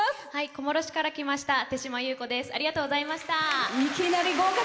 小諸市から来ましたてしまです。